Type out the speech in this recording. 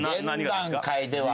現段階では。